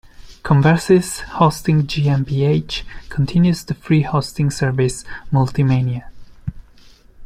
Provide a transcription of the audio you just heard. Conversis hosting GmbH continues the free hosting service MultiMania.